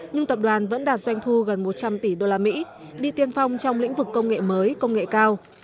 nhưng tập đoàn vẫn đạt doanh thu gần một trăm linh tỷ usd đi tiên phong trong lĩnh vực công nghệ mới công nghệ cao